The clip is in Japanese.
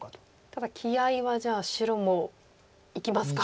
ただ気合いはじゃあ白もいきますか。